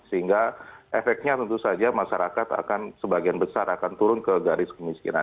sehingga efeknya tentu saja masyarakat akan sebagian besar akan turun ke garis kemiskinan